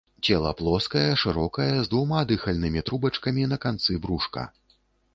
Цела плоскае, шырокае, з двума дыхальнымі трубачкамі на канцы брушка.